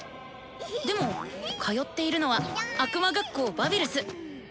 でも通っているのは悪魔学校バビルス。